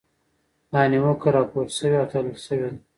دا نیوکه راپور شوې او تحلیل شوې ده.